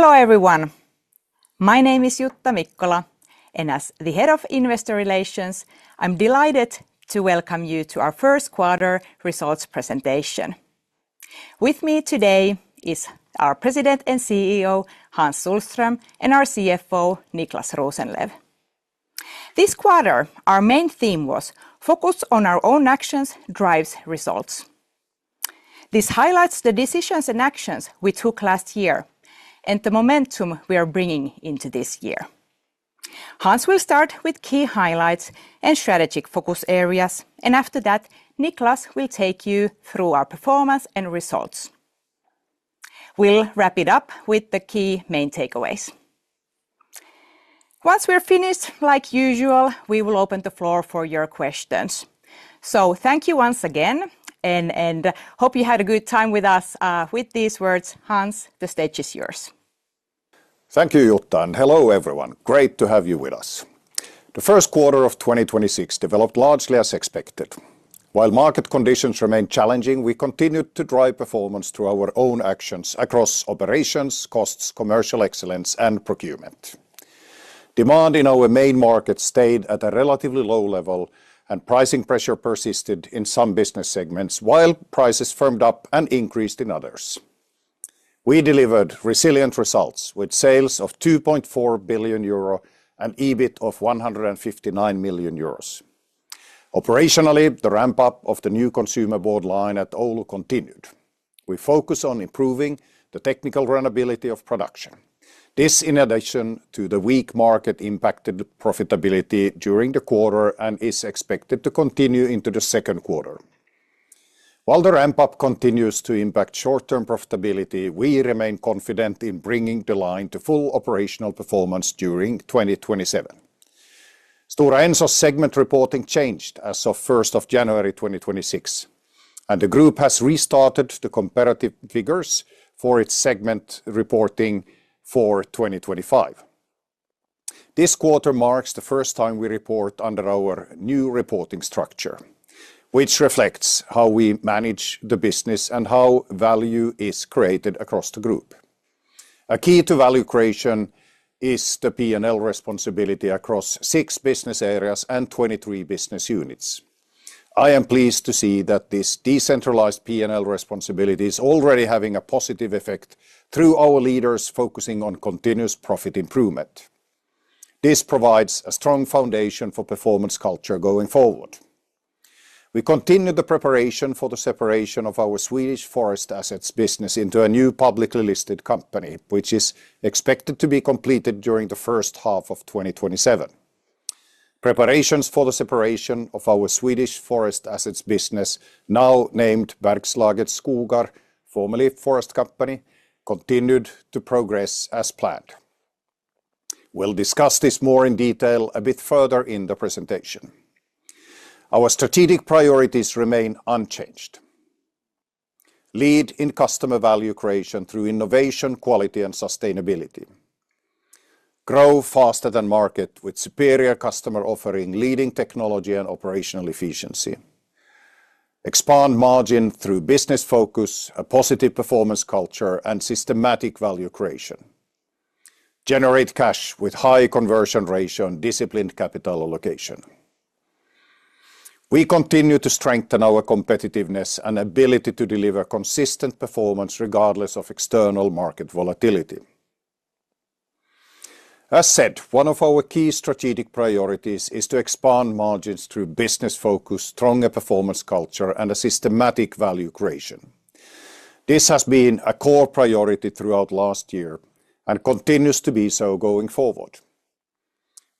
Hello, everyone. My name is Jutta Mikkola, and as the Head of Investor Relations, I'm delighted to welcome you to our first quarter results presentation. With me today is our President and CEO, Hans Sohlström, and our CFO, Niclas Rosenlew. This quarter, our main theme was Focus on Our Own Actions Drives Results. This highlights the decisions and actions we took last year and the momentum we are bringing into this year. Hans will start with key highlights and strategic focus areas. After that, Niclas will take you through our performance and results. We'll wrap it up with the key main takeaways. Once we're finished, like usual, we will open the floor for your questions. Thank you once again and hope you had a good time with us. With these words, Hans, the stage is yours. Thank you, Jutta, and hello, everyone. Great to have you with us. The first quarter of 2026 developed largely as expected. While market conditions remain challenging, we continued to drive performance through our own actions across operations, costs, commercial excellence, and procurement. Demand in our main market stayed at a relatively low level, and pricing pressure persisted in some business segments, while prices firmed up and increased in others. We delivered resilient results with sales of 2.4 billion euro and EBIT of 159 million euros. Operationally, the ramp-up of the new consumer board line at Oulu continued. We focus on improving the technical runnability of production. This, in addition to the weak market impacted profitability during the quarter and is expected to continue into the second quarter. While the ramp-up continues to impact short-term profitability, we remain confident in bringing the line to full operational performance during 2027. Stora Enso segment reporting changed as of 1st of January, 2026, and the group has restarted the comparative figures for its segment reporting for 2025. This quarter marks the 1st time we report under our new reporting structure, which reflects how we manage the business and how value is created across the group. A key to value creation is the P&L responsibility across 6 business areas and 23 business units. I am pleased to see that this decentralized P&L responsibility is already having a positive effect through our leaders focusing on continuous profit improvement. This provides a strong foundation for performance culture going forward. We continue the preparation for the separation of our Swedish Forest Assets business into a new publicly listed company, which is expected to be completed during the first half of 2027. Preparations for the separation of our Swedish Forest Assets business, now named Bergslagens Skogar, formerly Forest Company, continued to progress as planned. We will discuss this more in detail a bit further in the presentation. Our strategic priorities remain unchanged. Lead in customer value creation through innovation, quality, and sustainability. Grow faster than market with superior customer offering, leading technology, and operational efficiency. Expand margin through business focus, a positive performance culture, and systematic value creation. Generate cash with high conversion ratio and disciplined capital allocation. We continue to strengthen our competitiveness and ability to deliver consistent performance regardless of external market volatility. As said, one of our key strategic priorities is to expand margins through business focus, stronger performance culture, and a systematic value creation. This has been a core priority throughout last year and continues to be so going forward.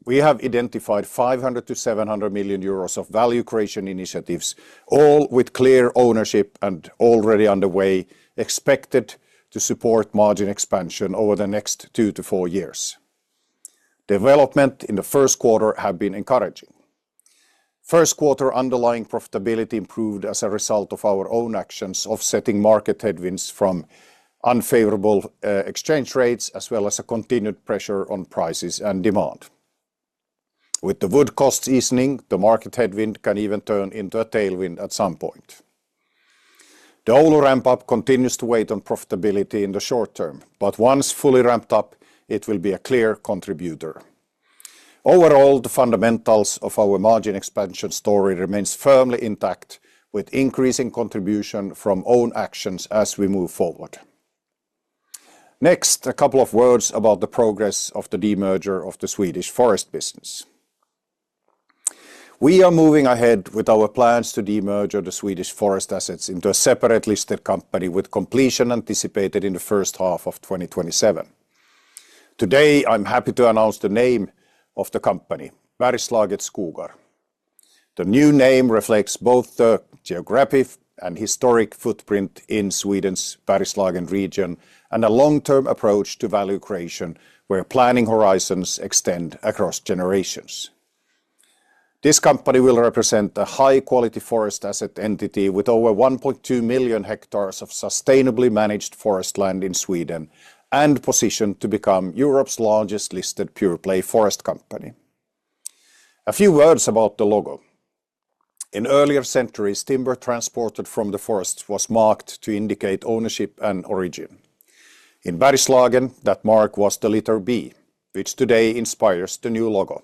We have identified 500 million-700 million euros of value creation initiatives, all with clear ownership and already underway, expected to support margin expansion over the next 2-4 years. Development in the 1st quarter have been encouraging. 1st quarter underlying profitability improved as a result of our own actions offsetting market headwinds from unfavorable exchange rates as well as a continued pressure on prices and demand. With the wood costs easing, the market headwind can even turn into a tailwind at some point. The Oulu ramp-up continues to wait on profitability in the short term, but once fully ramped up, it will be a clear contributor. Overall, the fundamentals of our margin expansion story remains firmly intact with increasing contribution from own actions as we move forward. Next, two words about the progress of the demerger of the Swedish forest business. We are moving ahead with our plans to demerge the Swedish forest assets into a separate listed company with completion anticipated in the first half of 2027. Today, I'm happy to announce the name of the company, Bergslagens Skogar. The new name reflects both the geographic and historic footprint in Sweden's Bergslagen region and a long-term approach to value creation where planning horizons extend across generations. This company will represent a high-quality forest asset entity with over 1.2 million hectares of sustainably managed forest land in Sweden and positioned to become Europe's largest listed pure-play Forest Company. A few words about the logo. In earlier centuries, timber transported from the forest was marked to indicate ownership and origin. In Bergslagen, that mark was the letter B, which today inspires the new logo.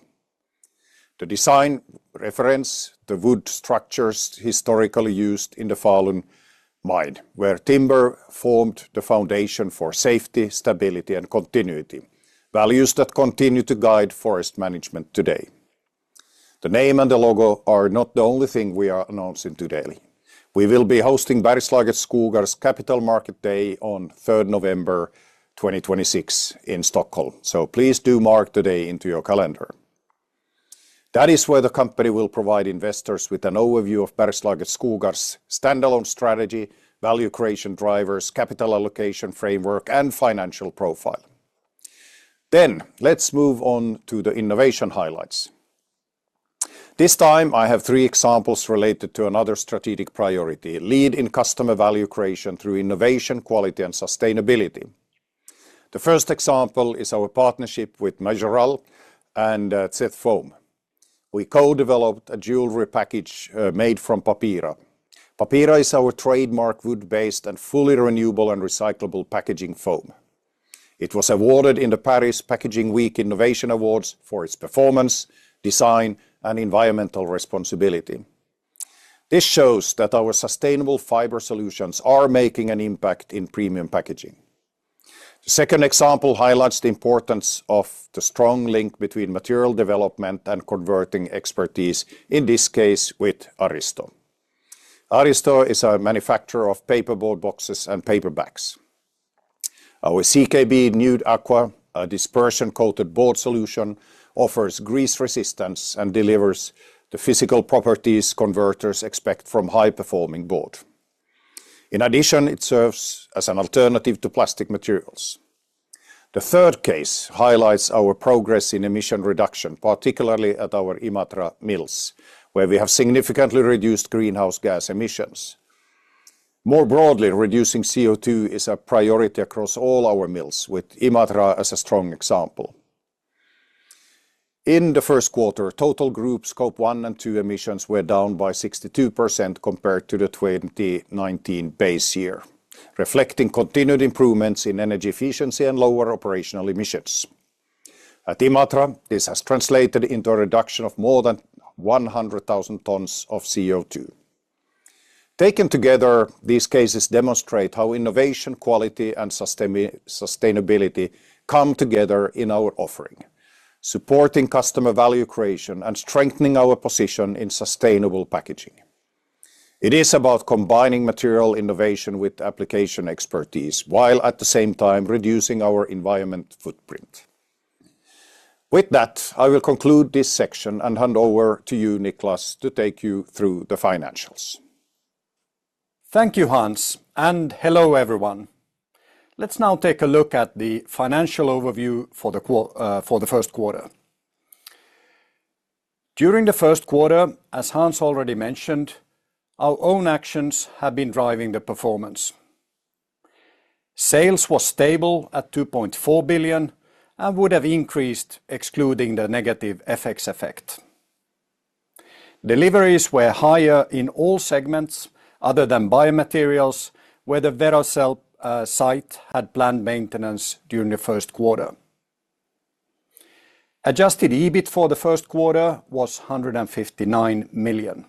The design reference, the wood structures historically used in the Falun mine, where timber formed the foundation for safety, stability, and continuity, values that continue to guide forest management today. The name and the logo are not the only thing we are announcing today. We will be hosting Bergslagens Skogar's Capital Market Day on 3rd November 2026 in Stockholm, please do mark the day into your calendar. That is where the company will provide investors with an overview of Bergslagens Skogar's standalone strategy, value creation drivers, capital allocation framework, and financial profile. Let's move on to the innovation highlights. This time, I have three examples related to another strategic priority: lead in customer value creation through innovation, quality, and sustainability. The first example is our partnership with Majoral and ZFoam. We co-developed a jewelry package made from Papira. Papira is our trademark wood-based and fully renewable and recyclable packaging foam. It was awarded in the Paris Packaging Week Innovation Awards for its performance, design, and environmental responsibility. This shows that our sustainable fiber solutions are making an impact in premium packaging. The second example highlights the importance of the strong link between material development and converting expertise, in this case, with Aristo. Aristo is a manufacturer of paperboard boxes and paperbacks. Our CKB Nude Aqua, a dispersion-coated board solution, offers grease resistance and delivers the physical properties converters expect from high-performing board. In addition, it serves as an alternative to plastic materials. The third case highlights our progress in emission reduction, particularly at our Imatra mills, where we have significantly reduced greenhouse gas emissions. More broadly, reducing CO2 is a priority across all our mills, with Imatra as a strong example. In the first quarter, total group Scope 1 and 2 emissions were down by 62% compared to the 2019 base year, reflecting continued improvements in energy efficiency and lower operational emissions. At Imatra, this has translated into a reduction of more than 100,000 tons of CO2. Taken together, these cases demonstrate how innovation, quality, and sustainability come together in our offering, supporting customer value creation and strengthening our position in sustainable packaging. It is about combining material innovation with application expertise, while at the same time reducing our environment footprint. With that, I will conclude this section and hand over to you, Niclas, to take you through the financials. Thank you, Hans, and hello, everyone. Let's now take a look at the financial overview for the first quarter. During the first quarter, as Hans already mentioned, our own actions have been driving the performance. Sales was stable at 2.4 billion and would have increased, excluding the negative FX effect. Deliveries were higher in all segments other than biomaterials, where the Veracel site had planned maintenance during the first quarter. Adjusted EBIT for the first quarter was 159 million.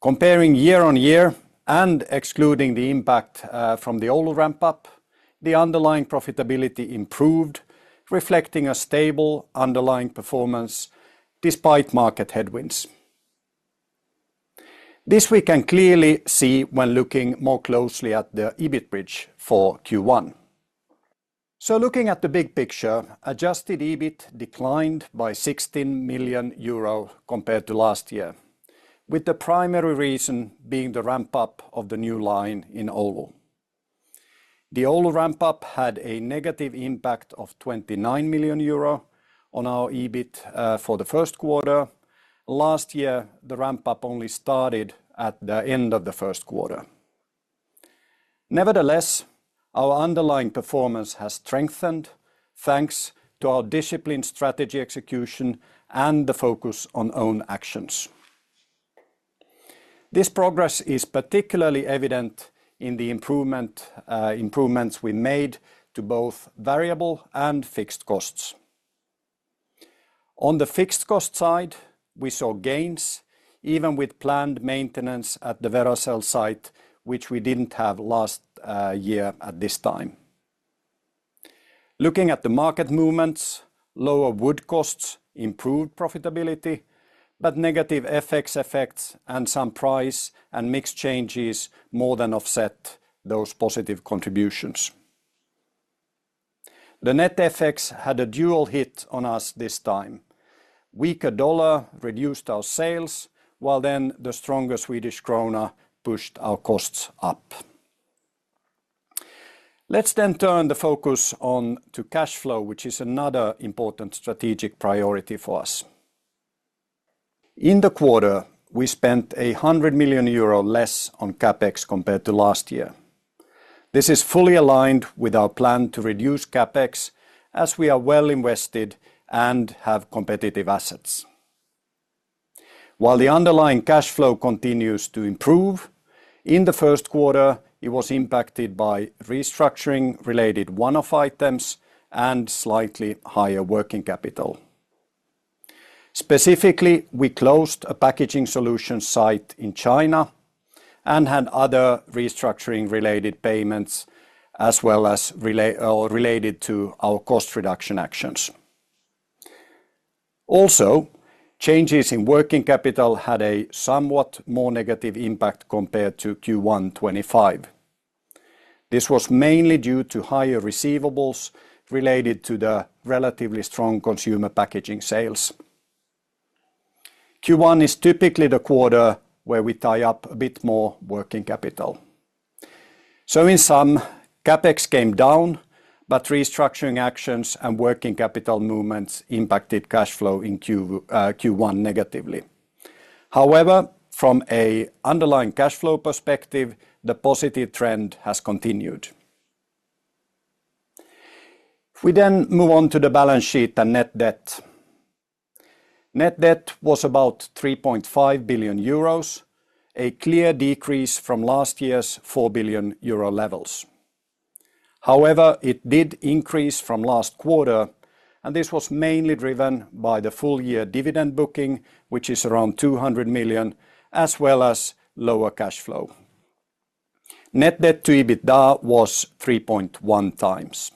Comparing year-on-year and excluding the impact from the Oulu ramp-up, the underlying profitability improved, reflecting a stable underlying performance despite market headwinds. This we can clearly see when looking more closely at the EBIT bridge for Q1. Looking at the big picture, adjusted EBIT declined by 16 million euro compared to last year, with the primary reason being the ramp-up of the new line in Oulu. The Oulu ramp-up had a negative impact of 29 million euro on our EBIT for the first quarter. Last year, the ramp-up only started at the end of the first quarter. Nevertheless, our underlying performance has strengthened thanks to our disciplined strategy execution and the focus on own actions. This progress is particularly evident in the improvements we made to both variable and fixed costs. On the fixed cost side, we saw gains even with planned maintenance at the Veracel site, which we didn't have last year at this time. Looking at the market movements, lower wood costs improved profitability, but negative FX effects and some price and mix changes more than offset those positive contributions. The net effects had a dual hit on us this time. Weaker USD reduced our sales, while the stronger SEK pushed our costs up. Let's turn the focus on to cash flow, which is another important strategic priority for us. In the quarter, we spent 100 million euro less on CapEx compared to last year. This is fully aligned with our plan to reduce CapEx, as we are well invested and have competitive assets. While the underlying cash flow continues to improve, in the first quarter, it was impacted by restructuring-related one-off items and slightly higher working capital. Specifically, we closed a packaging solution site in China and had other restructuring-related payments as well as related to our cost-reduction actions. Changes in working capital had a somewhat more negative impact compared to Q1 2025. This was mainly due to higher receivables related to the relatively strong consumer packaging sales. Q1 is typically the quarter where we tie up a bit more working capital. In sum, CapEx came down, but restructuring actions and working capital movements impacted cash flow in Q1 negatively. From an underlying cash flow perspective, the positive trend has continued. We move on to the balance sheet and net debt. Net debt was about 3.5 billion euros, a clear decrease from last year's 4 billion euro levels. It did increase from last quarter, and this was mainly driven by the full-year dividend booking, which is around 200 million, as well as lower cash flow. Net debt to EBITDA was 3.1 times.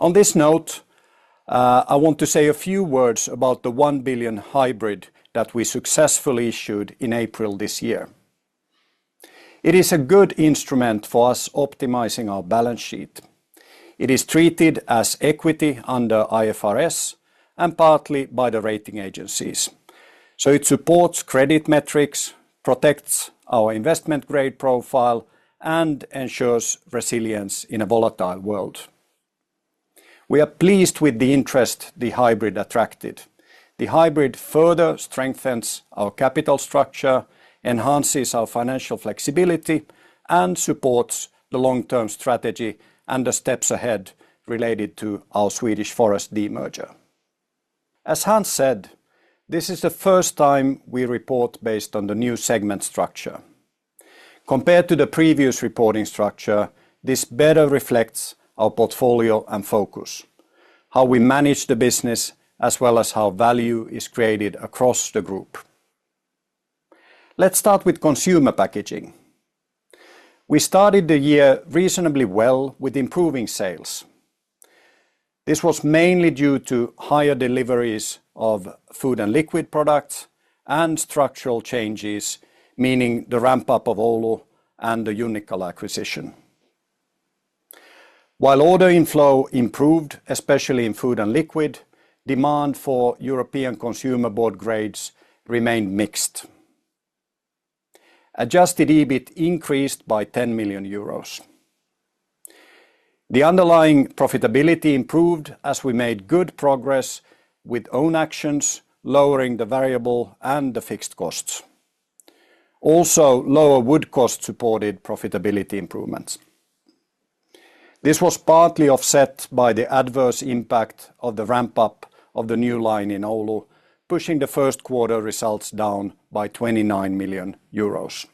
On this note, I want to say a few words about the 1 billion hybrid that we successfully issued in April this year. It is a good instrument for us optimizing our balance sheet. It is treated as equity under IFRS and partly by the rating agencies. It supports credit metrics, protects our investment-grade profile, and ensures resilience in a volatile world. We are pleased with the interest the hybrid attracted. The hybrid further strengthens our capital structure, enhances our financial flexibility, and supports the long-term strategy and the steps ahead related to our Swedish forest demerger. As Hans said, this is the first time we report based on the new segment structure. Compared to the previous reporting structure, this better reflects our portfolio and focus, how we manage the business, as well as how value is created across the group. Let's start with consumer packaging. We started the year reasonably well with improving sales. This was mainly due to higher deliveries of food and liquid products and structural changes, meaning the ramp-up of Oulu and the Unical acquisition. While order inflow improved, especially in food and liquid, demand for European consumer board grades remained mixed. Adjusted EBIT increased by 10 million euros. The underlying profitability improved as we made good progress with own actions, lowering the variable and the fixed costs. Lower wood cost supported profitability improvements. This was partly offset by the adverse impact of the ramp-up of the new line in Oulu, pushing the first quarter results down by 29 million euros.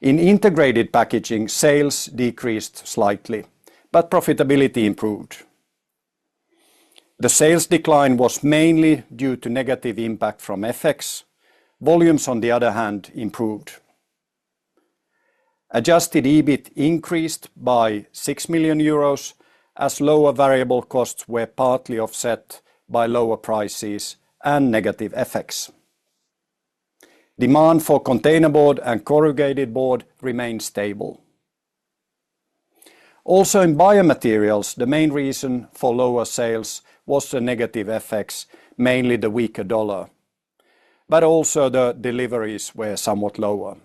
In integrated packaging, sales decreased slightly, profitability improved. The sales decline was mainly due to negative impact from FX. Volumes, on the other hand, improved. Adjusted EBIT increased by 6 million euros as lower variable costs were partly offset by lower prices and negative FX. Demand for containerboard and corrugated board remained stable. In biomaterials, the main reason for lower sales was the negative FX, mainly the weaker U.S. dollar, but also the deliveries were somewhat lower.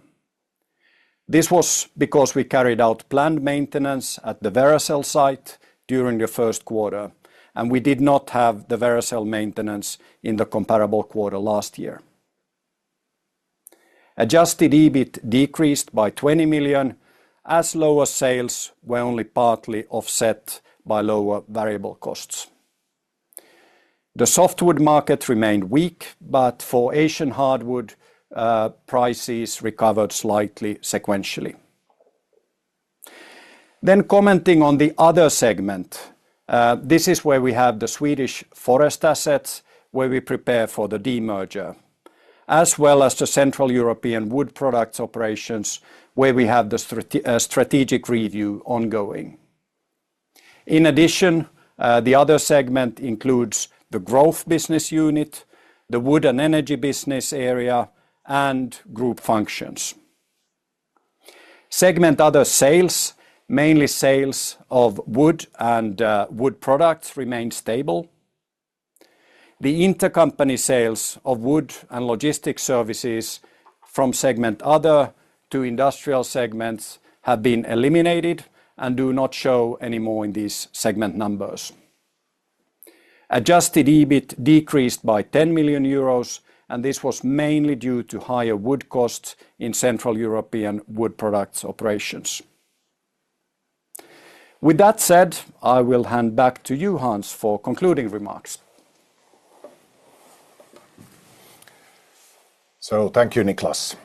This was because we carried out planned maintenance at the Veracel site during the first quarter, and we did not have the Veracel maintenance in the comparable quarter last year. Adjusted EBIT decreased by 20 million, as lower sales were only partly offset by lower variable costs. The softwood market remained weak, but for Asian hardwood, prices recovered slightly sequentially. Commenting on the Other segment, this is where we have the Swedish forest assets where we prepare for the demerger, as well as the Central European wood products operations where we have the strategic review ongoing. In addition, the Other segment includes the Growth Business Unit, the Wood and Energy Business Area, and Group Functions. Segment Other sales, mainly sales of wood and wood products, remained stable. The intercompany sales of wood and logistic services from Segment Other to industrial segments have been eliminated and do not show anymore in these segment numbers. Adjusted EBIT decreased by 10 million euros, this was mainly due to higher wood costs in Central European wood products operations. With that said, I will hand back to you, Hans, for concluding remarks. Thank you, Niclas.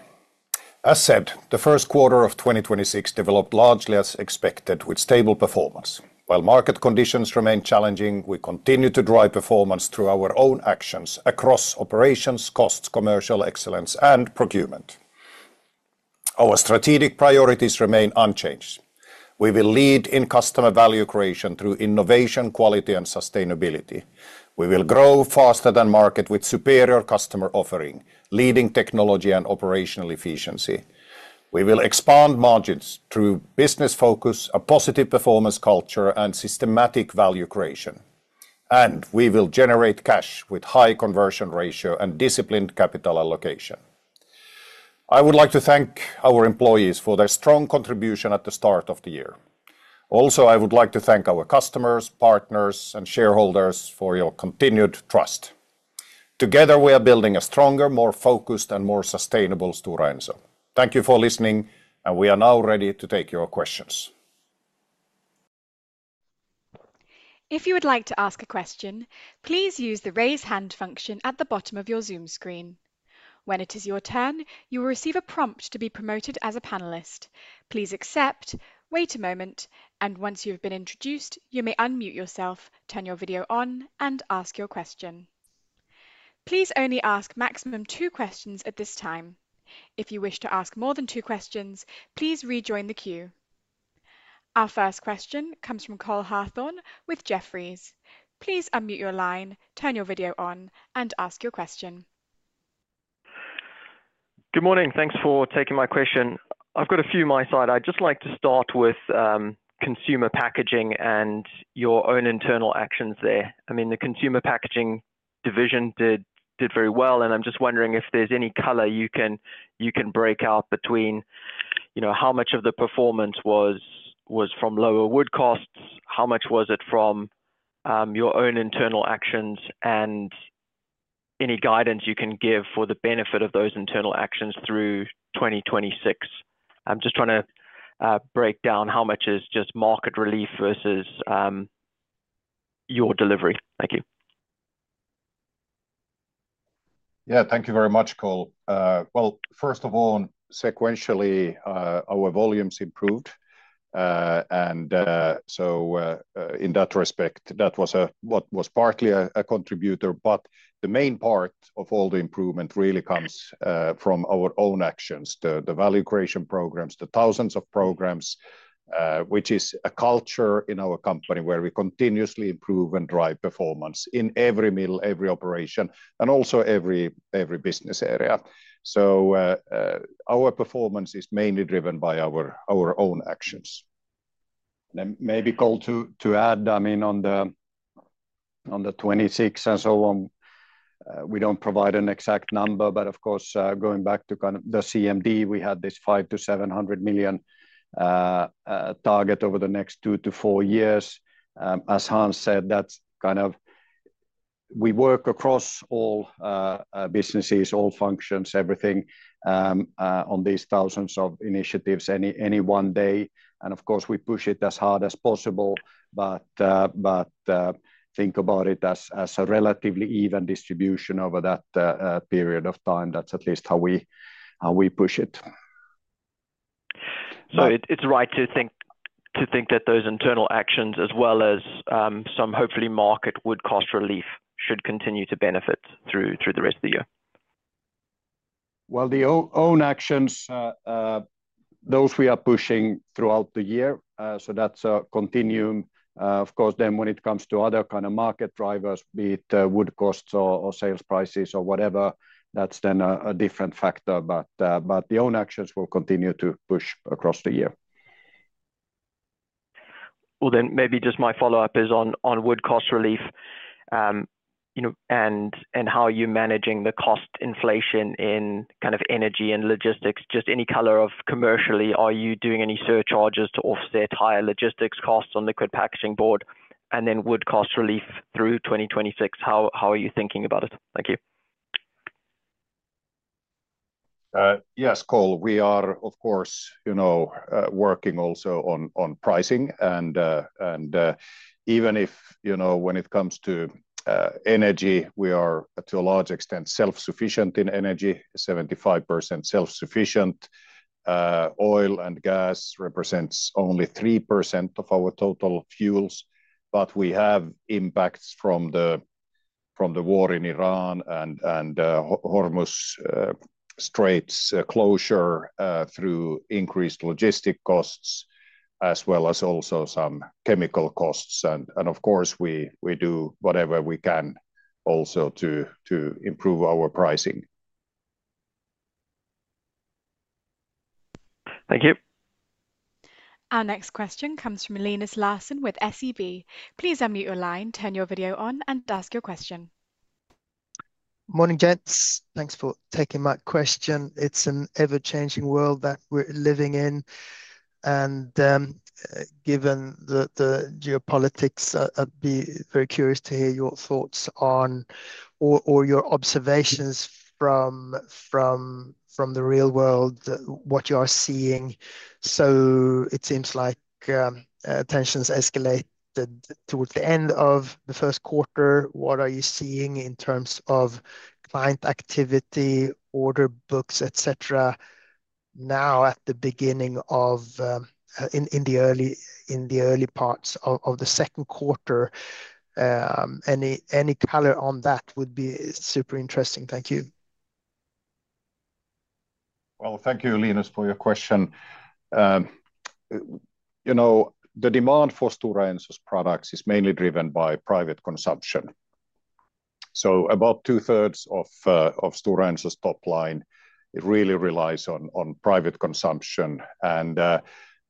As said, the first quarter of 2026 developed largely as expected with stable performance. While market conditions remain challenging, we continue to drive performance through our own actions across operations, costs, commercial excellence, and procurement. Our strategic priorities remain unchanged. We will lead in customer value creation through innovation, quality, and sustainability. We will grow faster than market with superior customer offering, leading technology and operational efficiency. We will expand margins through business focus, a positive performance culture, and systematic value creation. We will generate cash with high conversion ratio and disciplined capital allocation. I would like to thank our employees for their strong contribution at the start of the year. Also, I would like to thank our customers, partners, and shareholders for your continued trust. Together, we are building a stronger, more focused, and more sustainable Stora Enso. Thank you for listening, and we are now ready to take your questions. If you would like to ask a question, please use the raise hand function at the bottom of your Zoom screen. When it is your turn, you will receive a prompt to be promoted as a panelist. Please accept, wait a moment, and once you have been introduced, you may unmute yourself, turn your video on, and ask your question. Please only ask maximum two questions at this time. If you wish to ask more than two questions, please rejoin the queue. Our first question comes from Cole Hathorn with Jefferies. Please unmute your line, turn your video on, and ask your question. Good morning. Thanks for taking my question. I've got a few my side. I'd just like to start with Consumer Packaging and your own internal actions there. I mean, the Consumer Packaging Division did very well, and I'm just wondering if there's any color you can break out between, you know, how much of the performance was from lower wood costs? How much was it from your own internal actions? Any guidance you can give for the benefit of those internal actions through 2026. I'm just trying to break down how much is just market relief versus your delivery. Thank you. Yeah. Thank you very much, Cole. Well, first of all, sequentially, our volumes improved. In that respect, that was partly a contributor. The main part of all the improvement really comes from our own actions. The value creation programs, the thousands of programs, which is a culture in our company where we continuously improve and drive performance in every mill, every operation, and also every business area. Our performance is mainly driven by our own actions. Cole, to add, I mean, on the 26 and so on, we don't provide an exact number, but of course, going back to kind of the CMD, we had this 500 million-700 million target over the next 2-4 years. As Hans said, we work across all businesses, all functions, everything, on these thousands of initiatives any one day. Of course, we push it as hard as possible, but think about it as a relatively even distribution over that period of time. That's at least how we, how we push it. It's right to think that those internal actions as well as, some hopefully market would cost relief should continue to benefit through the rest of the year. Well, the own actions, those we are pushing throughout the year. That's a continuum. Of course, when it comes to other kind of market drivers, be it, wood costs or sales prices or whatever, that's then a different factor. The own actions will continue to push across the year. Maybe just my follow-up is on wood cost relief, you know, and how are you managing the cost inflation in kind of energy and logistics? Just any color of commercially, are you doing any surcharges to offset higher logistics costs on liquid packaging board? Wood cost relief through 2026, how are you thinking about it? Thank you. Yes, Cole. We are, of course, you know, working also on pricing and even if, you know, when it comes to energy, we are, to a large extent, self-sufficient in energy, 75% self-sufficient. Oil and gas represents only 3% of our total fuels, but we have impacts from the, from the war in Iran and Hormuz Straits closure, through increased logistic costs as well as also some chemical costs. Of course, we do whatever we can also to improve our pricing. Thank you. Our next question comes from Linus Larsson with SEB. Please enter your line turn your video on and ask your question. Morning, gents. Thanks for taking my question. It's an ever-changing world that we're living in. Given the geopolitics, I'd be very curious to hear your thoughts on or your observations from the real world, what you are seeing. It seems like tensions escalated towards the end of the first quarter. What are you seeing in terms of client activity, order books, et cetera now at the beginning of the early parts of the second quarter? Any color on that would be super interesting. Thank you. Well, thank you, Linus, for your question. You know, the demand for Stora Enso's products is mainly driven by private consumption. About two-thirds of Stora Enso's top line, it really relies on private consumption.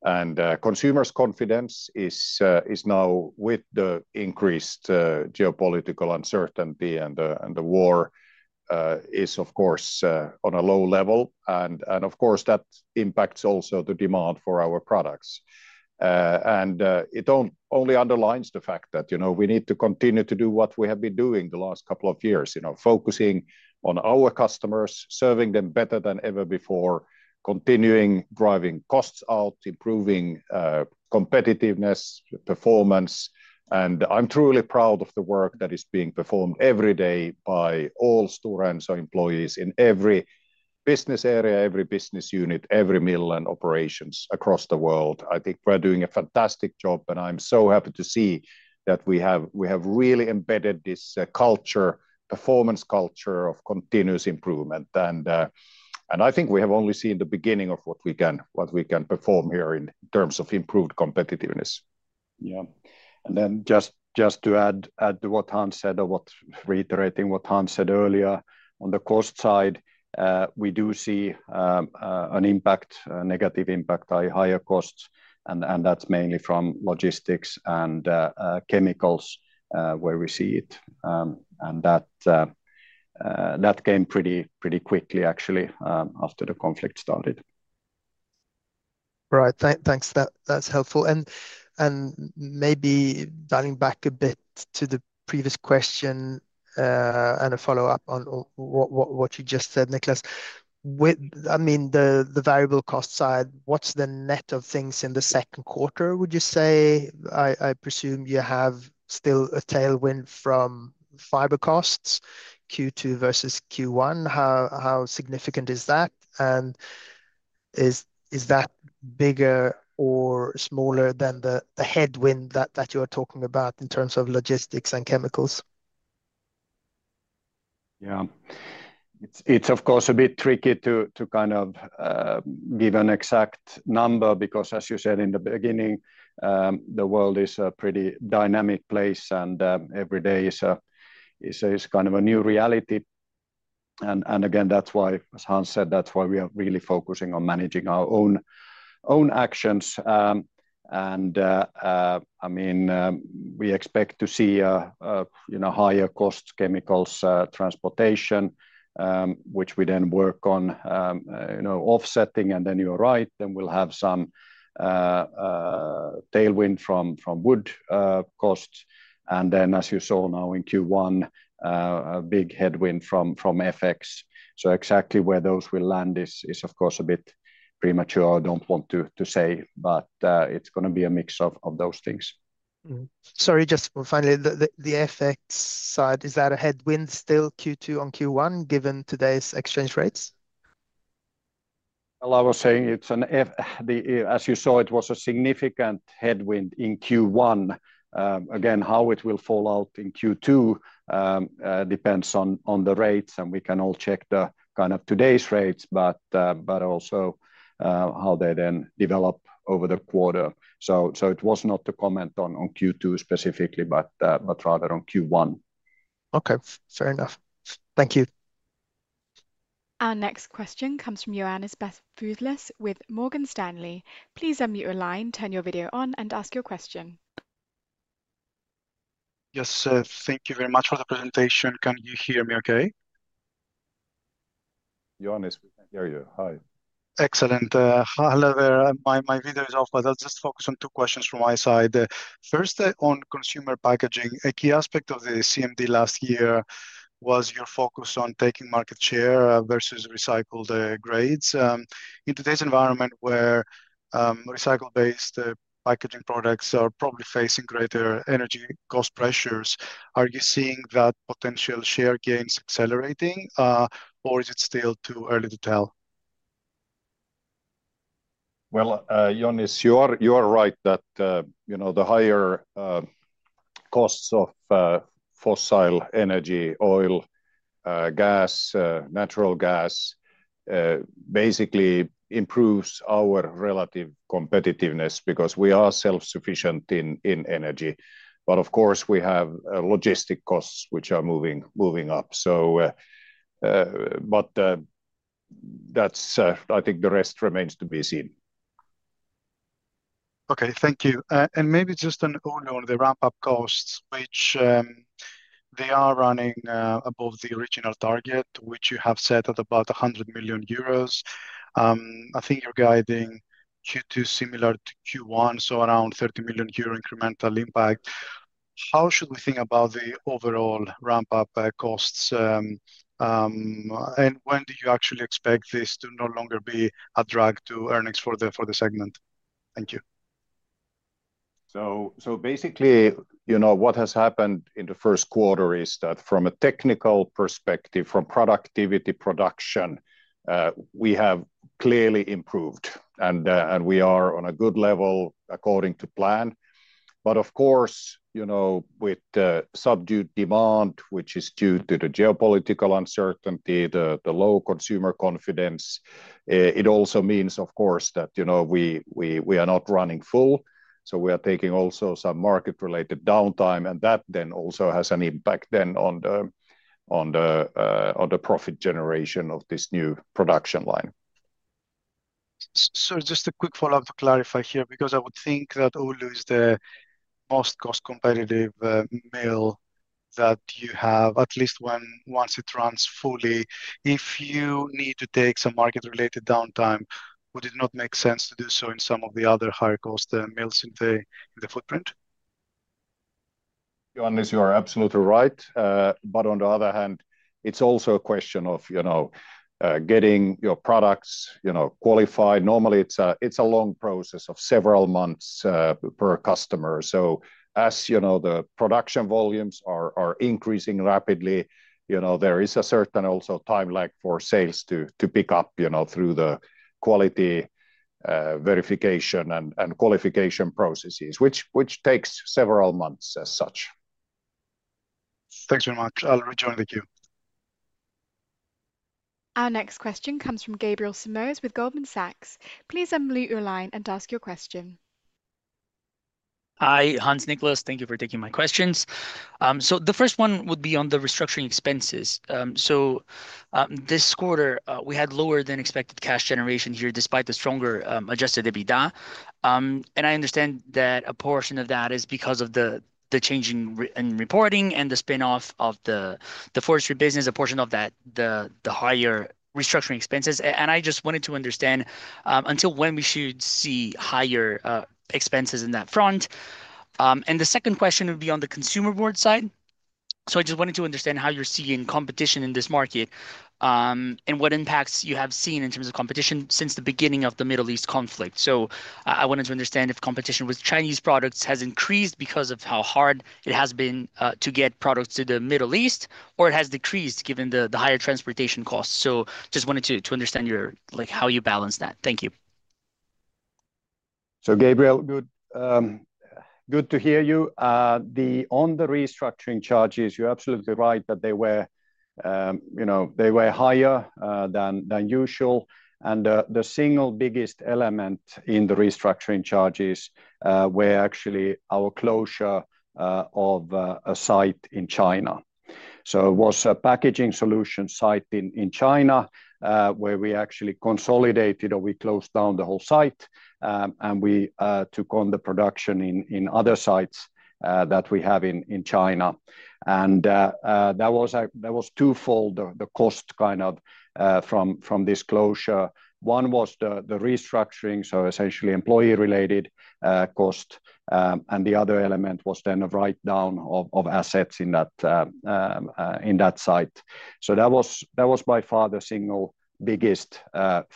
Consumers' confidence is now with the increased geopolitical uncertainty and the war is of course on a low level. Of course, that impacts also the demand for our products. It only underlines the fact that, you know, we need to continue to do what we have been doing the last couple of years. You know, focusing on our customers, serving them better than ever before, continuing driving costs out, improving competitiveness, performance. I'm truly proud of the work that is being performed every day by all Stora Enso employees in every business area, every business unit, every mill and operations across the world. I think we're doing a fantastic job, and I'm so happy to see that we have really embedded this culture, performance culture of continuous improvement. I think we have only seen the beginning of what we can perform here in terms of improved competitiveness. Yeah. Just to add to what Hans said or reiterating what Hans said earlier. On the cost side, we do see an impact, a negative impact by higher costs and that's mainly from logistics and chemicals where we see it. That came pretty quickly actually after the conflict started. Right. Thanks. That's helpful. Maybe dialing back a bit to the previous question, and a follow-up on what you just said, Niclas. With I mean, the variable cost side, what's the net of things in the 2nd quarter, would you say? I presume you have still a tailwind from fiber costs, Q2 versus Q1. How significant is that? Is that bigger or smaller than the headwind that you are talking about in terms of logistics and chemicals? Yeah. It's of course a bit tricky to kind of give an exact number because as you said in the beginning, the world is a pretty dynamic place, and every day is kind of a new reality. Again, that's why, as Hans said, that's why we are really focusing on managing our own actions. I mean, we expect to see, you know, higher costs chemicals, transportation, which we then work on, you know, offsetting. You are right, then we'll have some tailwind from wood costs. As you saw now in Q1, a big headwind from FX. Exactly where those will land is of course a bit premature. I don't want to say, but it's gonna be a mix of those things. Sorry, just finally, the FX side, is that a headwind still Q2 on Q1 given today's exchange rates? Well, I was saying it's an F. As you saw, it was a significant headwind in Q1. Again, how it will fall out in Q2 depends on the rates, and we can all check the kind of today's rates, but also how they then develop over the quarter. It was not the comment on Q2 specifically, but rather on Q1. Okay. Fair enough. Thank you. Our next question comes from Ioannis Masvoulas with Morgan Stanley. Please unmute your line, turn your video on, and ask your question. Yes. Thank you very much for the presentation. Can you hear me okay? Ioannis, we can hear you. Hi. Excellent. My video is off, but I'll just focus on 2 questions from my side. First, on consumer packaging. A key aspect of the CMD last year was your focus on taking market share versus recycled grades. In today's environment where recycle-based packaging products are probably facing greater energy cost pressures, are you seeing that potential share gains accelerating or is it still too early to tell? Ioannis, you are right that, you know, the higher costs of fossil energy, oil, gas, natural gas, basically improves our relative competitiveness because we are self-sufficient in energy. Of course, we have logistic costs which are moving up. That's I think the rest remains to be seen. Okay, thank you. Maybe just on the ramp-up costs, which they are running above the original target, which you have set at about 100 million euros. I think you're guiding Q2 similar to Q1, so around 30 million euro incremental impact. How should we think about the overall ramp-up costs, and when do you actually expect this to no longer be a drag to earnings for the segment? Thank you. Basically, you know, what has happened in the first quarter is that from a technical perspective, from productivity, production, we have clearly improved and we are on a good level according to plan. Of course, you know, with the subdued demand, which is due to the geopolitical uncertainty, the low consumer confidence, it also means of course that, you know, we are not running full. We are taking also some market-related downtime, that then also has an impact then on the profit generation of this new production line. Just a quick follow-up to clarify here, because I would think that Oulu is the most cost competitive mill that you have, at least when once it runs fully. If you need to take some market related downtime, would it not make sense to do so in some of the other higher cost mills in the footprint? Ioannis, you are absolutely right. On the other hand, it's also a question of, you know, getting your products, you know, qualified. Normally it's a long process of several months per customer. As, you know, the production volumes are increasing rapidly, you know, there is a certain also time lag for sales to pick up, you know, through the quality verification and qualification processes, which takes several months as such. Thanks very much. I'll rejoin the queue. Our next question comes from Gabriel Simoes with Goldman Sachs. Please unmute your line and ask your question. Hi, Hans Sohlström. Thank you for taking my questions. The first one would be on the restructuring expenses. This quarter, we had lower than expected cash generation here despite the stronger adjusted EBITDA. I understand that a portion of that is because of the change in reporting and the spinoff of the forestry business, a portion of that, the higher restructuring expenses. I just wanted to understand until when we should see higher expenses in that front. The second question would be on the consumer board side. I just wanted to understand how you're seeing competition in this market, and what impacts you have seen in terms of competition since the beginning of the Middle East conflict. I wanted to understand if competition with Chinese products has increased because of how hard it has been to get products to the Middle East or it has decreased given the higher transportation costs. Just wanted to understand your like how you balance that. Thank you. Gabriel Simoes, good to hear you. The, on the restructuring charges, you're absolutely right that they were, you know, they were higher than usual. The single biggest element in the restructuring charges were actually our closure of a site in China. It was a packaging solution site in China, where we actually consolidated or we closed down the whole site. We took on the production in other sites that we have in China. That was twofold the cost kind of from this closure. One was the restructuring, so essentially employee related cost. The other element was then a write down of assets in that site. That was by far the single biggest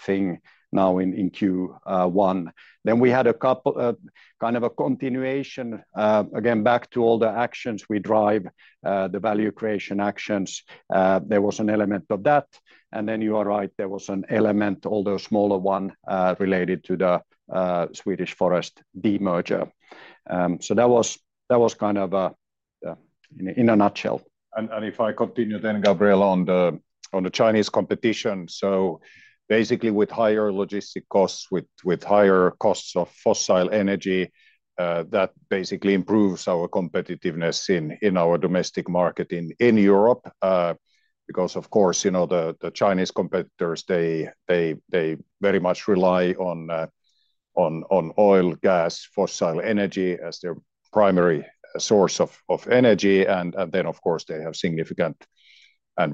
thing now in Q1. We had a couple kind of a continuation again, back to all the actions we drive, the value creation actions. There was an element of that. You are right, there was an element, although a smaller one, related to the Swedish forest de-merger. That was kind of in a nutshell. If I continue then Gabriel, on the Chinese competition. Basically with higher logistic costs, with higher costs of fossil energy, that basically improves our competitiveness in our domestic market in Europe. Because of course, you know, the Chinese competitors, they very much rely on oil, gas, fossil energy as their primary source of energy. Then of course, they have significant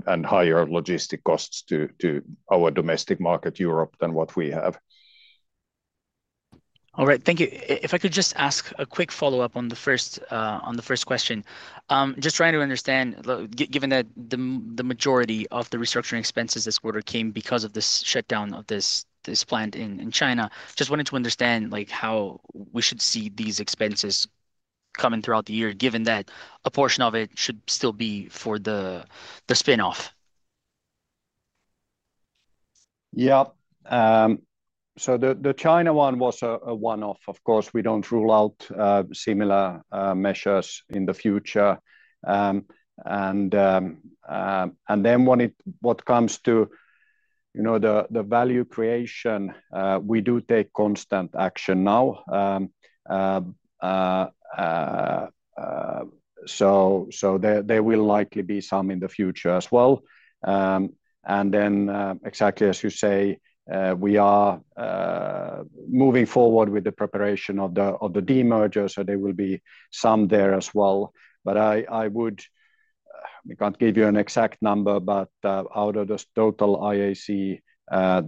and higher logistic costs to our domestic market Europe than what we have. All right. Thank you. If I could just ask a quick follow-up on the 1st. Just trying to understand, given that the majority of the restructuring expenses this quarter came because of this shutdown of this plant in China. Just wanted to understand like how we should see these expenses coming throughout the year, given that a portion of it should still be for the spinoff. Yeah. The China one was a one-off, of course. We don't rule out similar measures in the future. When it comes to, you know, the value creation, we do take constant action now. There will likely be some in the future as well. Exactly as you say, we are moving forward with the preparation of the demerger, so there will be some there as well. We can't give you an exact number, but out of this total IAC,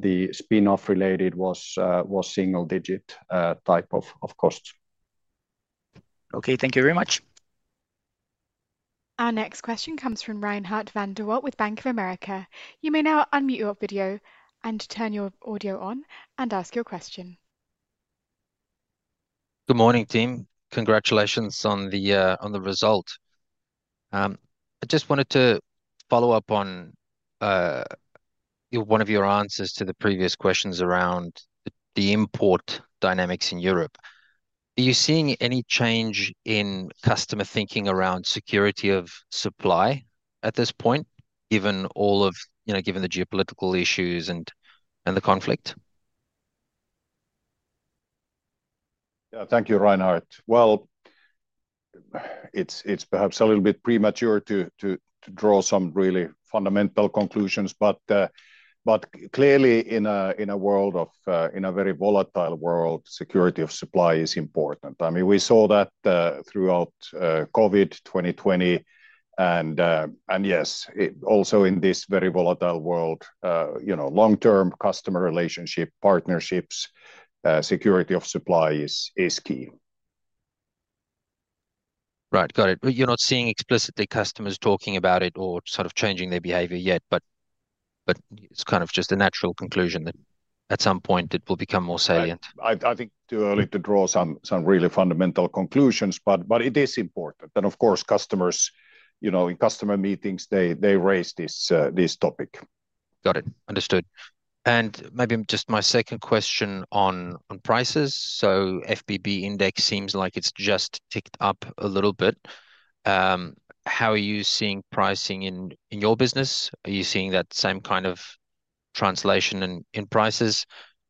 the spin-off related was single-digit type of costs. Okay. Thank you very much. Our next question comes from Reinhardt van der Walt with Bank of America. Good morning, team. Congratulations on the on the result. I just wanted to follow up on one of your answers to the previous questions around the import dynamics in Europe. Are you seeing any change in customer thinking around security of supply at this point, given all of you know, given the geopolitical issues and the conflict? Yeah. Thank you, Reinhard. Well, it's perhaps a little bit premature to draw some really fundamental conclusions. Clearly in a world of, in a very volatile world, security of supply is important. I mean, we saw that throughout COVID 2020 and yes, it also in this very volatile world, you know, long-term customer relationship, partnerships, security of supply is key. Right. Got it. You're not seeing explicitly customers talking about it or sort of changing their behavior yet, it's kind of just a natural conclusion that at some point it will become more salient. I think too early to draw some really fundamental conclusions, but it is important. Of course, customers, you know, in customer meetings, they raise this topic. Got it. Understood. Maybe just my second question on prices. FBB index seems like it's just ticked up a little bit. How are you seeing pricing in your business? Are you seeing that same kind of translation in prices?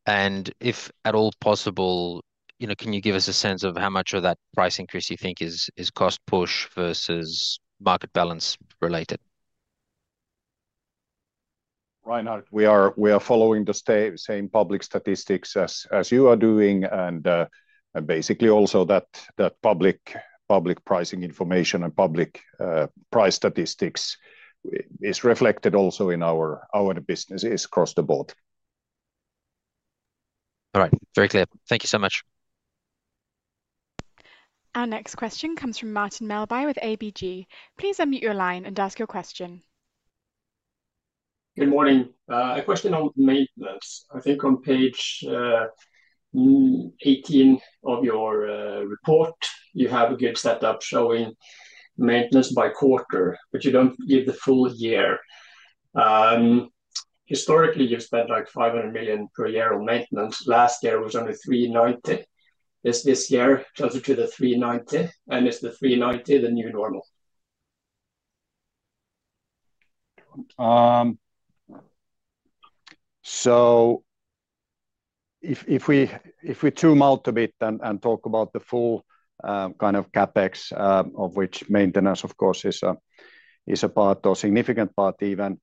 If at all possible, you know, can you give us a sense of how much of that price increase you think is cost push versus market balance related? Reinhard, we are following the same public statistics as you are doing. Basically also that public pricing information and public price statistics is reflected also in our businesses across the board. All right. Very clear. Thank you so much. Our next question comes from Martin Melbye with ABG. Please unmute your line and ask your question. Good morning. A question on maintenance. I think on page 18 of your report, you have a good setup showing maintenance by quarter, but you don't give the full year. Historically, you've spent like 500 million per year on maintenance. Last year was only 390. Is this year closer to the 390? Is the 390 the new normal? If we zoom out a bit and talk about the full kind of CapEx, of which maintenance of course is a part or significant part even.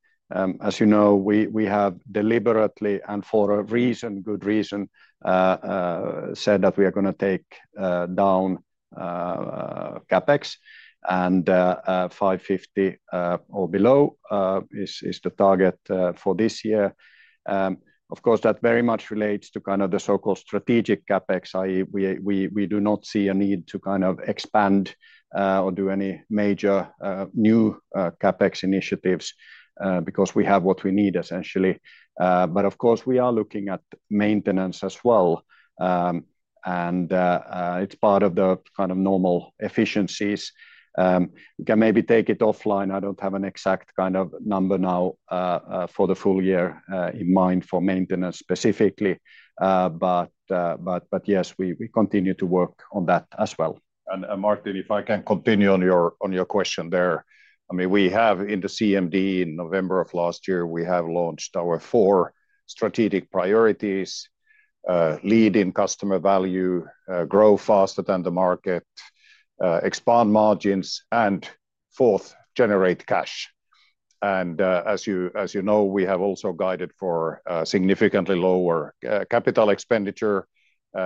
As you know, we have deliberately and for a reason, good reason, said that we are going to take down CapEx, and 550 or below is the target for this year. Of course, that very much relates to kind of the so-called strategic CapEx, i.e., we do not see a need to kind of expand or do any major new CapEx initiatives, because we have what we need essentially. Of course, we are looking at maintenance as well. It's part of the kind of normal efficiencies. Can maybe take it offline. I don't have an exact kind of number now for the full year in mind for maintenance specifically. Yes, we continue to work on that as well. Martin, if I can continue on your, on your question there. I mean, we have in the CMD in November of last year, we have launched our four strategic priorities. Lead in customer value, grow faster than the market, expand margins, and fourth, generate cash. As you know, we have also guided for significantly lower capital expenditure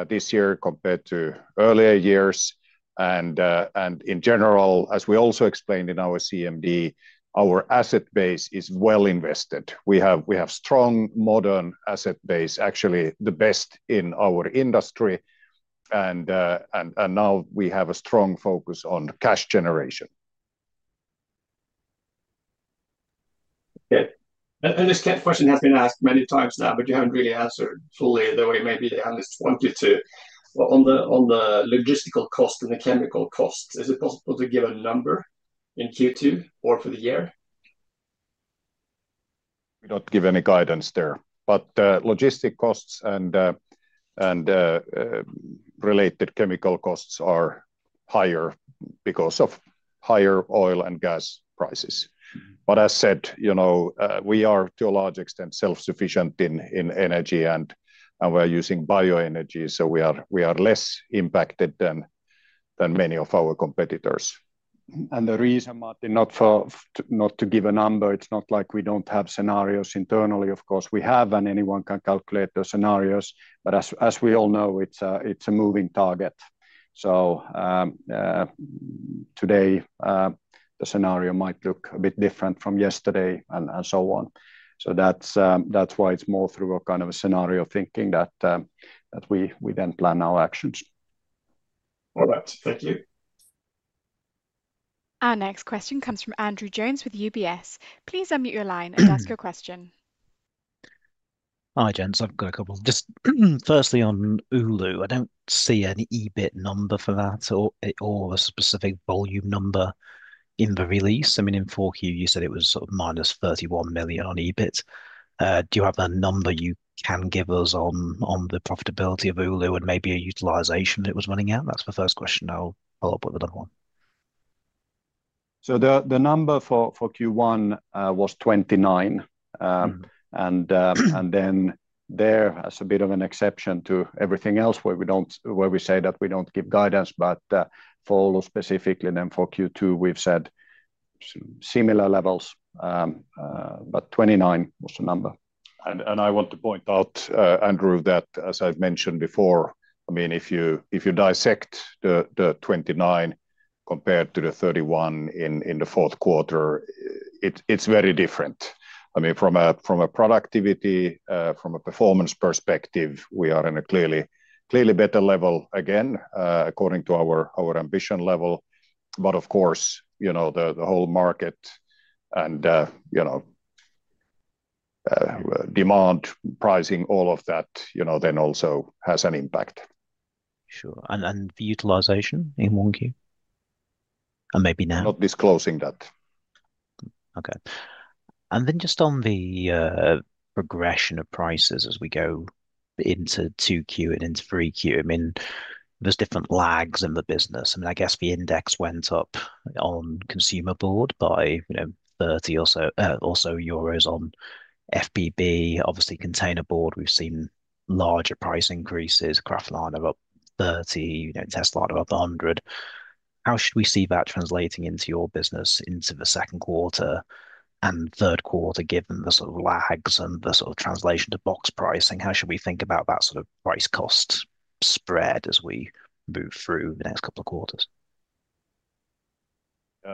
this year compared to earlier years. In general, as we also explained in our CMD, our asset base is well invested. We have strong modern asset base, actually the best in our industry. Now we have a strong focus on cash generation. Yeah. This question has been asked many times now, but you haven't really answered fully the way maybe the analysts want you to. On the logistical cost and the chemical cost, is it possible to give a number in Q2 or for the year? We don't give any guidance there. Logistic costs and related chemical costs are higher because of higher oil and gas prices. As said, you know, we are to a large extent self-sufficient in energy and we're using bioenergy. We are less impacted than many of our competitors. The reason, Martin, not for, not to give a number. It's not like we don't have scenarios internally. Of course, we have, and anyone can calculate the scenarios. As we all know, it's a moving target. Today, the scenario might look a bit different from yesterday and so on. That's why it's more through a kind of a scenario thinking that we then plan our actions. All right. Thank you. Our next question comes from Andrew Jones with UBS. Please unmute your line and ask your question. Hi, gents. I've got a couple. Firstly on Oulu. I don't see any EBIT number for that or a specific volume number in the release. I mean, in 4Q you said it was sort of minus 31 million on EBIT. Do you have that number you can give us on the profitability of Oulu and maybe a utilization it was running at? That's my first question. I'll follow up with another one. The number for Q1 was 29. There as a bit of an exception to everything else where we say that we don't give guidance, but for Oulu specifically and then for Q2, we've said similar levels. 29 was the number. I want to point out, Andrew, that, as I've mentioned before, I mean, if you dissect the 29 compared to the 31 in the fourth quarter, it's very different. I mean, from a productivity, from a performance perspective, we are in a clearly better level again, according to our ambition level. Of course, you know, the whole market and, you know, demand pricing, all of that, you know, then also has an impact. Sure. The utilization in 1Q, and maybe now? Not disclosing that. Okay. Just on the progression of prices as we go into 2Q and into 3Q. I mean, there's different lags in the business. I mean, I guess the index went up on consumer board by, you know, 30 or so EUR. On FBB, obviously containerboard, we've seen larger price increases. Kraftliner up 30, you know, testliner up 100. How should we see that translating into your business into the second quarter and third quarter, given the sort of lags and the sort of translation to box pricing? How should we think about that sort of price cost spread as we move through the next couple of quarters?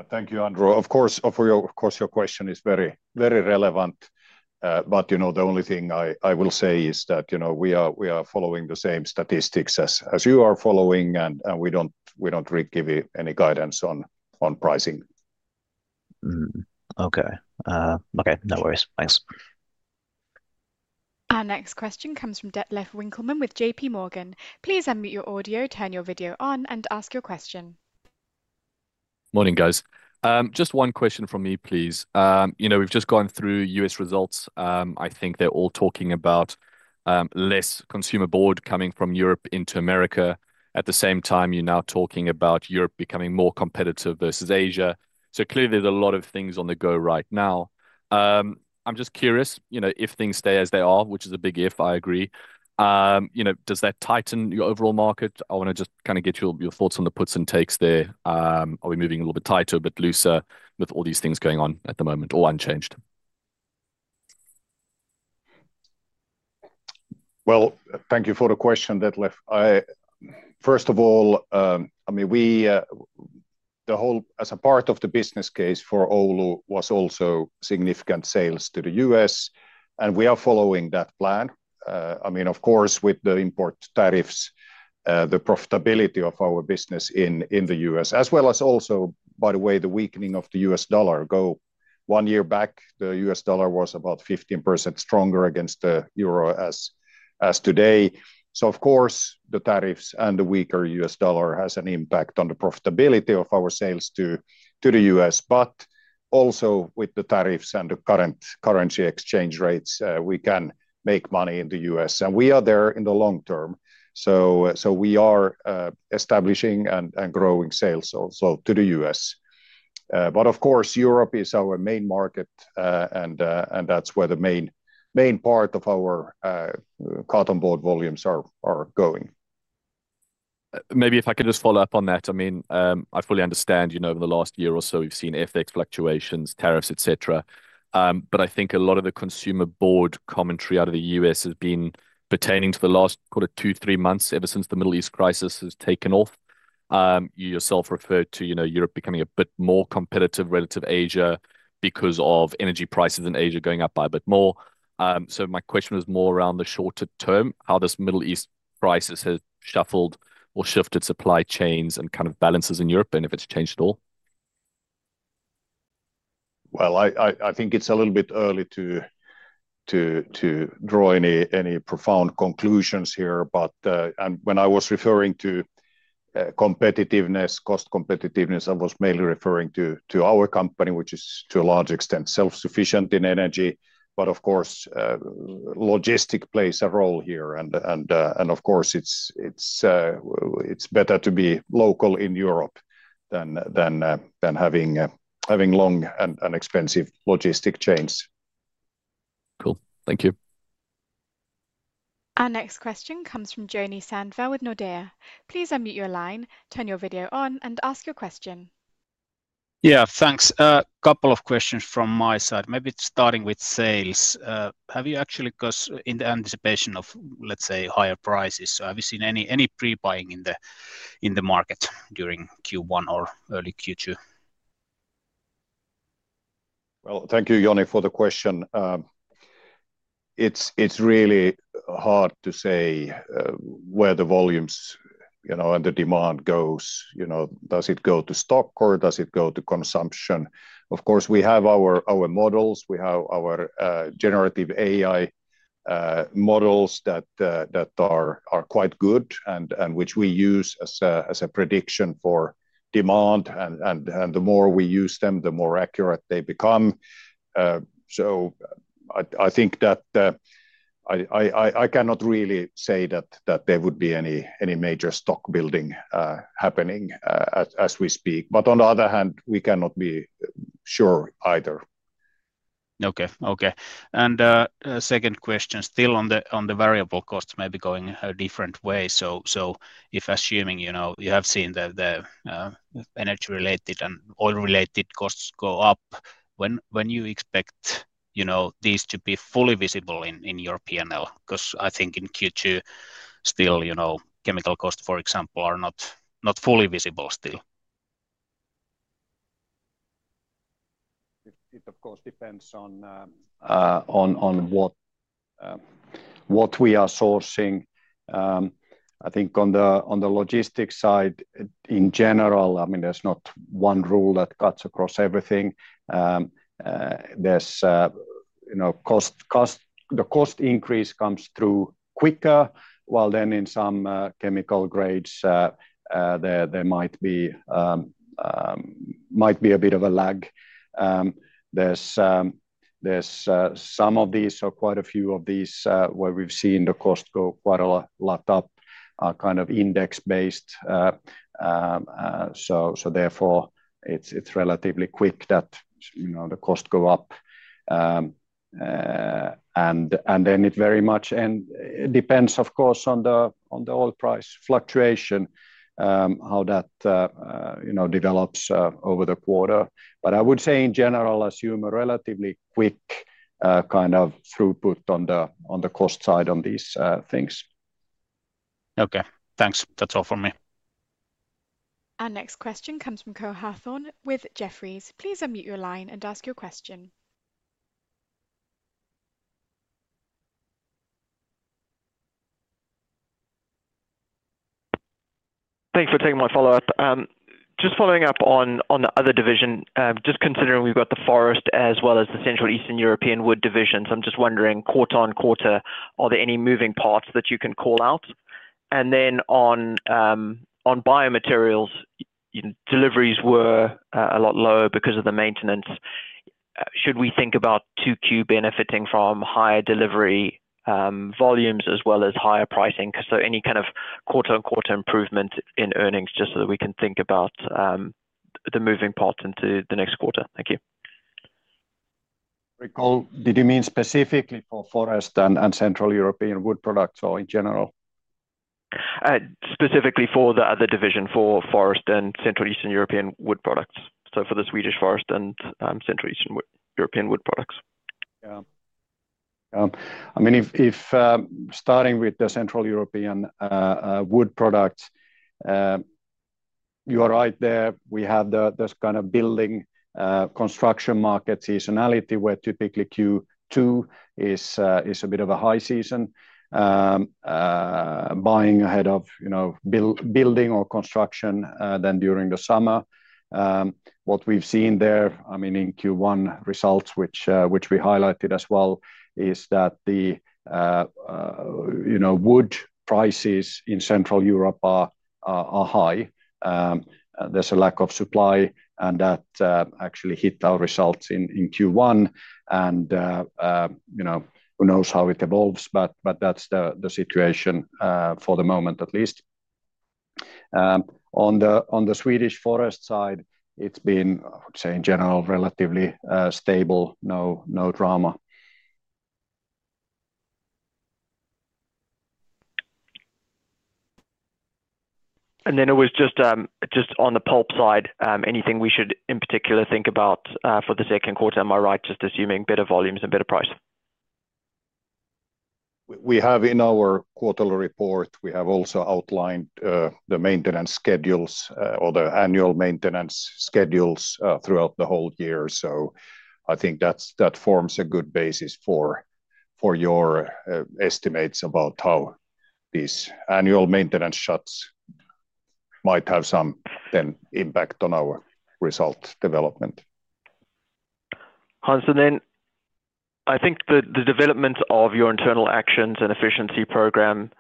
Thank you, Andrew. Of course, your question is very relevant. But you know, the only thing I will say is that, you know, we are following the same statistics as you are following, and we don't really give you any guidance on pricing. Okay. Okay, no worries. Thanks. Our next question comes from Detlef Winckelmann with JPMorgan. Please unmute your audio, turn your video on and ask your question. Morning, guys. Just one question from me, please. You know, we've just gone through U.S. results. I think they're all talking about less consumer board coming from Europe into America. At the same time, you're now talking about Europe becoming more competitive versus Asia. Clearly there's a lot of things on the go right now. I'm just curious, you know, if things stay as they are, which is a big if, I agree, you know, does that tighten your overall market? I wanna just kind of get your thoughts on the puts and takes there. Are we moving a little bit tighter, a bit looser with all these things going on at the moment or unchanged? Well, thank you for the question, Detlef. I, first of all, I mean, we, the whole, as a part of the business case for Oulu was also significant sales to the U.S. and we are following that plan. I mean, of course, with the import tariffs, the profitability of our business in the U.S., as well as also, by the way, the weakening of the U.S. dollar. Go 1 year back, the U.S. dollar was about 15% stronger against the euro as today. Of course, the tariffs and the weaker U.S. dollar has an impact on the profitability of our sales to the U.S. Also with the tariffs and the current currency exchange rates, we can make money in the U.S. and we are there in the long term. We are establishing and growing sales to the U.S. Of course, Europe is our main market. That's where the main part of our carton board volumes are going. Maybe if I could just follow up on that. I mean, I fully understand, you know, over the last year or so we've seen FX fluctuations, tariffs, et cetera. I think a lot of the consumer board commentary out of the U.S. has been pertaining to the last, call it, two, three months ever since the Middle East crisis has taken off. You yourself referred to, you know, Europe becoming a bit more competitive relative to Asia because of energy prices in Asia going up by a bit more. My question was more around the shorter term, how this Middle East crisis has shuffled or shifted supply chains and kind of balances in Europe and if it's changed at all. Well, I think it's a little bit early to draw any profound conclusions here. When I was referring to competitiveness, cost competitiveness, I was mainly referring to our company, which is to a large extent self-sufficient in energy. Of course, logistic plays a role here. Of course it's better to be local in Europe than having long and expensive logistic chains. Cool. Thank you. Our next question comes from Joni Sandvall with Nordea. Please unmute your line, turn your video on, and ask your question. Yeah, thanks. A couple of questions from my side. Maybe starting with sales. Have you actually, because in the anticipation of, let's say, higher prices, have you seen any pre-buying in the market during Q1 or early Q2? Well, thank you, Joni, for the question. It's really hard to say where the volumes, you know, and the demand goes. You know, does it go to stock or does it go to consumption? Of course, we have our models. We have our generative AI models that are quite good and which we use as a prediction for demand. The more we use them, the more accurate they become. I think that I cannot really say that there would be any major stock building happening as we speak. On the other hand, we cannot be sure either. Okay. Second question, still on the variable cost maybe going a different way. If assuming, you know, you have seen the energy related and oil related costs go up. When you expect, you know, these to be fully visible in your P&L? Because I think in Q2 still, you know, chemical costs, for example, are not fully visible still. It, of course, depends on what we are sourcing. I think on the logistics side in general, I mean, there's not one rule that cuts across everything. There's, you know, the cost increase comes through quicker, while then in some chemical grades, there might be a bit of a lag. There's some of these or quite a few of these where we've seen the cost go quite a lot up, kind of index-based. Therefore it's relatively quick that, you know, the cost go up. Then it very much depends, of course, on the oil price fluctuation, how that, you know, develops over the quarter. I would say in general, assume a relatively quick kind of throughput on the cost side on these things. Okay. Thanks. That is all from me. Our next question comes from Cole Hathorn with Jefferies. Please unmute your line and ask your question. Thanks for taking my follow-up. Just following up on the other division. Just considering we've got the forest as well as the Central Eastern European wood divisions, I'm just wondering, quarter-on-quarter, are there any moving parts that you can call out? On biomaterials, deliveries were a lot lower because of the maintenance. Should we think about 2Q benefiting from higher delivery volumes as well as higher pricing? Any kind of quarter-on-quarter improvement in earnings, just so that we can think about the moving parts into the next quarter. Thank you. Cole, did you mean specifically for forest and Central European wood products or in general? Specifically for the other division for forest and Central Eastern European wood products. For the Swedish forest and Central Eastern European wood products. Yeah. I mean, if, starting with the Central European wood products, you are right there. We have this kind of building construction market seasonality, where typically Q2 is a bit of a high season. Buying ahead of, you know, building or construction than during the summer. What we've seen there, I mean, in Q1 results, which we highlighted as well, is that, you know, wood prices in Central Europe are high. There's a lack of supply and that actually hit our results in Q1 and, you know, who knows how it evolves? That's the situation for the moment at least. On the Swedish forest side, it's been, I would say in general, relatively stable. No, no drama. It was just on the pulp side, anything we should in particular think about for the second quarter? Am I right just assuming better volumes and better price? We have in our quarterly report, we have also outlined the maintenance schedules, or the annual maintenance schedules, throughout the whole year. I think that forms a good basis for your estimates about how these annual maintenance shuts might have some then impact on our results development. Hans, I think the development of your internal actions and efficiency program,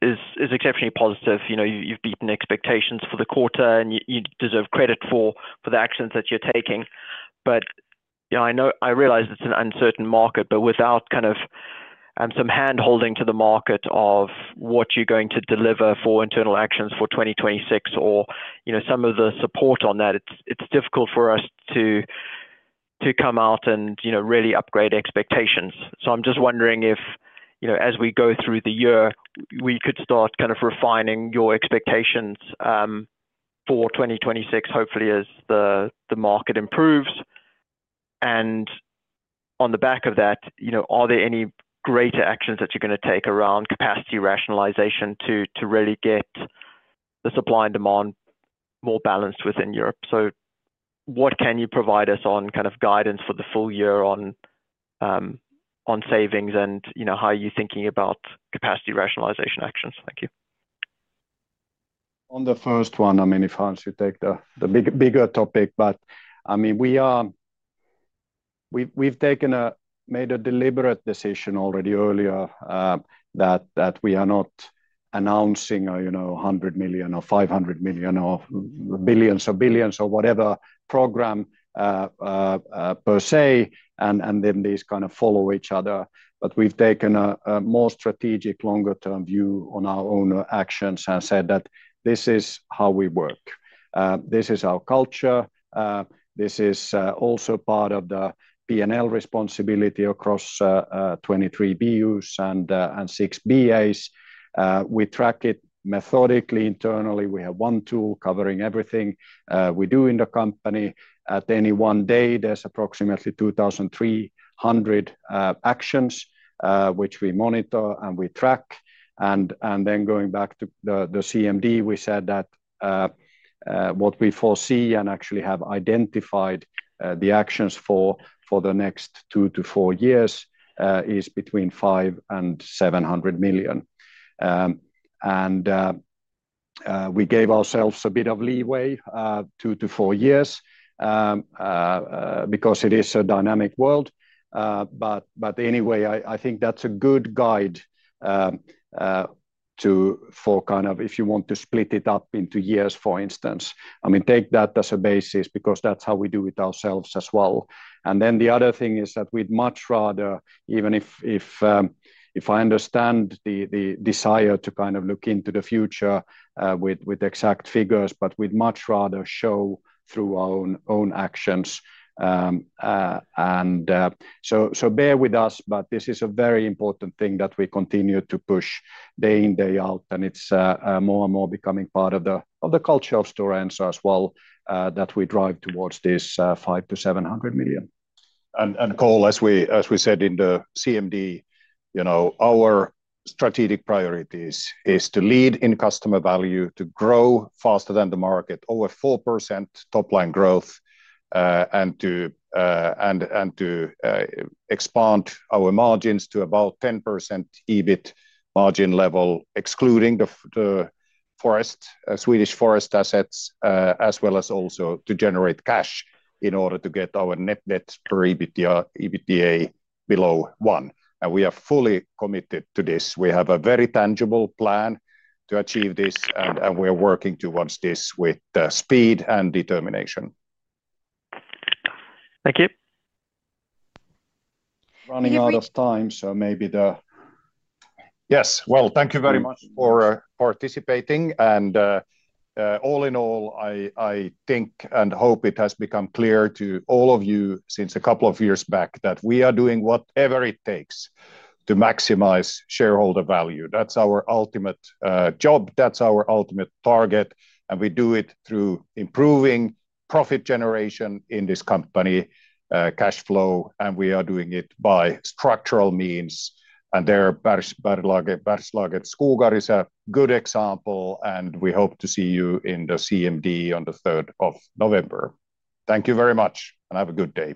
is exceptionally positive. You know, you've beaten expectations for the quarter and you deserve credit for the actions that you're taking. But, you know, I realize it's an uncertain market, but without kind of, some handholding to the market of what you're going to deliver for internal actions for 2026 or, you know, some of the support on that, it's difficult for us To come out and, you know, really upgrade expectations. I'm just wondering if, you know, as we go through the year, we could start kind of refining your expectations, for 2026, hopefully as the market improves. On the back of that, you know, are there any greater actions that you're gonna take around capacity rationalization to really get the supply and demand more balanced within Europe? What can you provide us on kind of guidance for the full year on savings and, you know, how are you thinking about capacity rationalization actions? Thank you. On the first one, I mean, if Hans you take the bigger topic. I mean, we've made a deliberate decision already earlier that we are not announcing a, you know, 100 million or 500 million or billions or billions or whatever program per se, and then these kind of follow each other. We've taken a more strategic longer-term view on our own actions and said that this is how we work. This is our culture. This is also part of the P&L responsibility across 23 BUs and 6 BAs. We track it methodically internally. We have one tool covering everything we do in the company. At any one day, there's approximately 2,300 actions which we monitor and we track. Then going back to the CMD, we said that what we foresee and actually have identified the actions for the next two to four years is between 500 million and 700 million. We gave ourselves a bit of leeway, two to four years, because it is a dynamic world. Anyway, I think that's a good guide to for kind of if you want to split it up into years, for instance. I mean, take that as a basis because that's how we do it ourselves as well. The other thing is that we'd much rather, even if I understand the desire to kind of look into the future with exact figures, but we'd much rather show through our own actions. Bear with us, but this is a very important thing that we continue to push day in, day out, and it's more and more becoming part of the culture of Stora Enso as well, that we drive towards this 500 million-700 million. Cole, as we said in the CMD, you know, our strategic priorities is to lead in customer value, to grow faster than the market, over 4% top line growth, to expand our margins to about 10% EBIT margin level, excluding the forest Swedish forest assets, as well as also to generate cash in order to get our net debt per EBITDA below 1. We are fully committed to this. We have a very tangible plan to achieve this, we're working towards this with speed and determination. Thank you. Running out of time. Yes. Well, thank you very much for participating. All in all, I think and hope it has become clear to all of you since a couple of years back that we are doing whatever it takes to maximize shareholder value. That's our ultimate job. That's our ultimate target. We do it through improving profit generation in this company, cash flow, and we are doing it by structural means. There Bergslagens Skogar is a good example, and we hope to see you in the CMD on the third of November. Thank you very much, and have a good day.